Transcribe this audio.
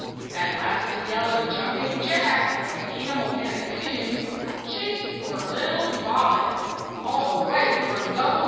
At last a yellow jumping jack, A camel, and a coon, Chased poor little Bobbin All the way from Doubbledoon.